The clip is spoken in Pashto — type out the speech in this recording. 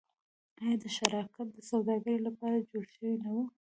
آیا دا شرکت د سوداګرۍ لپاره جوړ شوی نه و؟